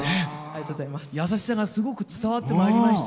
優しさがすごく伝わってまいりました。